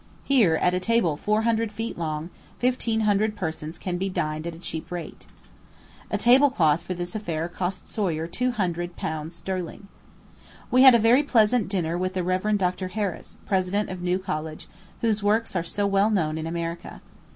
Here, at a table four hundred feet long, fifteen hundred persons can be dined at a cheap rate. A table cloth for this affair cost Soyer two hundred pounds sterling. We had a very pleasant dinner with the Rev. Dr. Harris, President of New College, whose works are so well known in America.